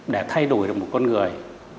để thay đổi được một con người